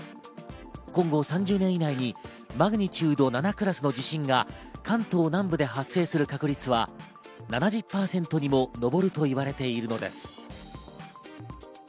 今後３０年以内にマグニチュード７クラスの地震が関東南部で発生する確率は７０％にも上ると言われているのです。